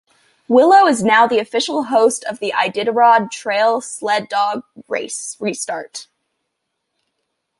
Willow is now the official host of the Iditarod Trail Sled Dog Race restart.